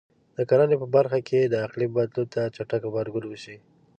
د کرنې په برخه کې د اقلیم بدلون ته چټک غبرګون وشي.